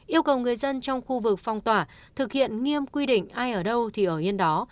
yêu cầu người dân trong khu vực phong tỏa thực hiện nghiêm quy định ai ở đâu thì ở yên đó